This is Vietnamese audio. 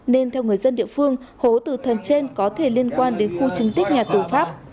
nên theo người dân địa phương hố tử thần trên có thể liên quan đến khu chứng tích nhà tù pháp